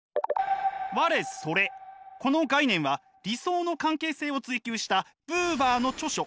この概念は理想の関係性を追求したブーバーの著書